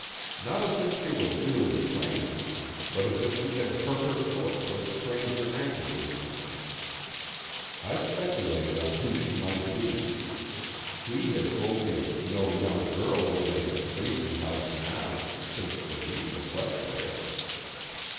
Not as if she were really lame, but as if she had hurt her foot or strained her ankle recently. I speculated on who she might be. Kee had told me of no young girl living in the Tracy house now, since the niece had left there.